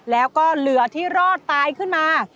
แล้วก็เหลือที่รอดตายขึ้นมา